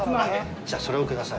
じゃあ、それをください。